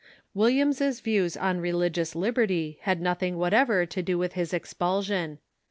Williams's views on re ligious libci'ty had nothing whatever to do with his expulsion.